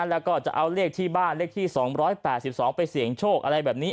แล้วก็จะเอาเลขที่บ้านเลขที่๒๘๒ไปเสี่ยงโชคอะไรแบบนี้